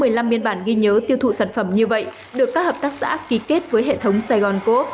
nhân bản ghi nhớ tiêu thụ sản phẩm như vậy được các hợp tác xã ký kết với hệ thống sài gòn cố